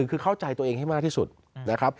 คือเข้าใจตัวเองให้มากที่สุดนะครับ